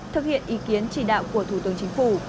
thực hiện ý kiến chỉ đạo của thủ tướng chính phủ